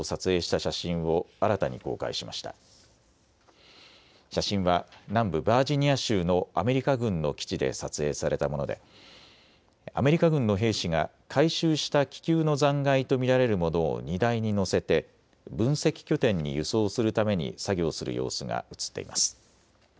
写真は南部バージニア州のアメリカ軍の基地で撮影されたものでアメリカ軍の兵士が回収した気球の残骸と見られるものを荷台に乗せて分析拠点に輸送するために作業する様子が写っています。